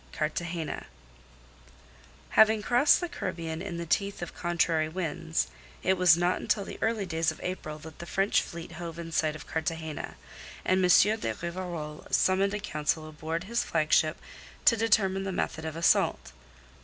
CARTAGENA Having crossed the Caribbean in the teeth of contrary winds, it was not until the early days of April that the French fleet hove in sight of Cartagena, and M. de Rivarol summoned a council aboard his flagship to determine the method of assault.